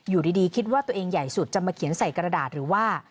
อยู่ดีคิดว่าตัวเองใหญ่สุดจะมาเขียนใส่กระดาษหรือว่า